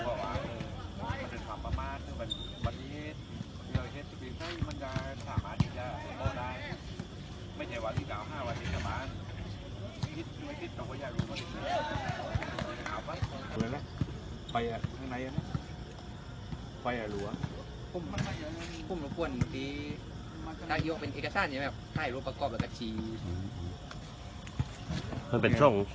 สวัสดีครับทุกคนขอบคุณครับทุกคน